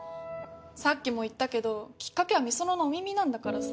さっきも言ったけどキッカケは美園の「お耳」なんだからさ。